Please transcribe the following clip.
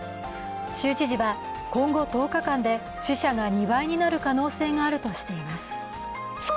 州知事は今後１０日間で死者が２倍になる可能性があるとしています。